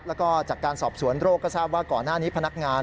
แล้วก็จากการสอบสวนโรคก็ทราบว่าก่อนหน้านี้พนักงาน